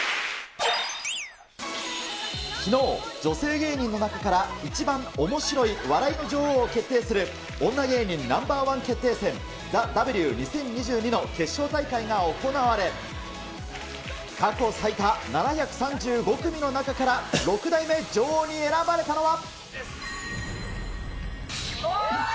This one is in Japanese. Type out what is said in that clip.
きのう、女性芸人の中から一番おもしろい笑いの女王を決定する、女芸人Ｎｏ．１決定戦ＴＨＥＷ２０２２の決勝大会が行われ、過去最多７３５組の中から６代目女王に選ばれたのは。